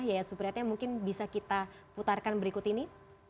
yayat supriyatnya mungkin bisa kita putarkan berikut ini